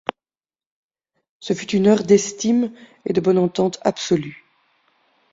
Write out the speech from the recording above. Ce fut une heure d’estime et de bonne entente absolues.